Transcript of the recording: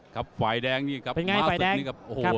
ครับฝ่ายแดงนี่ครับ